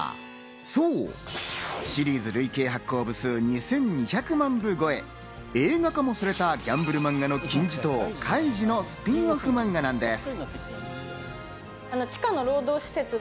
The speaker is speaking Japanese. そう、シリーズ累計発行部数２２００万部超え、映画化もされたギャンブルマンガの金字塔・『カイジ』のスピンオフマンガなんです。